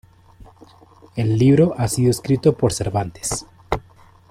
El libro ha sido escrito por Cervantes.